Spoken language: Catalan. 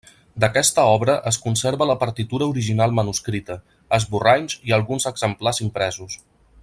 D’aquesta obra es conserva la partitura original manuscrita, esborranys i alguns exemplars impresos.